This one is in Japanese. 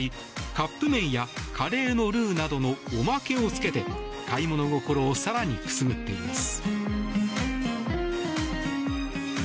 カップ麺やカレーのルーなどのおまけをつけて買い物心を更にくすぐっています。